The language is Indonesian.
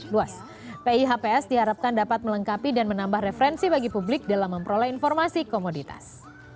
pihps diharapkan dapat melengkapi dan menambah referensi bagi publik dalam memperoleh informasi komoditas